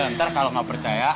ntar kalau gak percaya